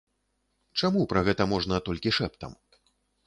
Чаму пра гэта можна толькі шэптам?